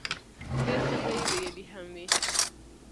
ډېر څۀ به ئې ويلي هم وي